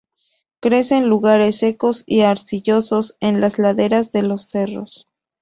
Crece en lugares secos y arcillosos en las laderas de los cerros.